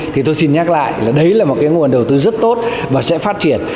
thì tôi xin nhắc lại đấy là một cái nguồn đầu tư rất tốt và sẽ phát triển